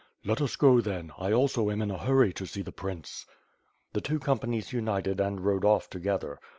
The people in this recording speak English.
"Let us go, then, I also am in a hurry to see the prince." The two companies united and rode off together.